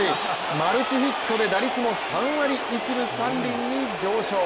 マルチヒットで打率も３割１分３厘に上昇。